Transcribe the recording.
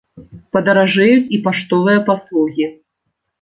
Падаражэюць і паштовыя паслугі.